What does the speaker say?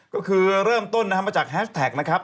ก็คือเริ่มต้นนะครับมาจากแฮชแท็กนะครับ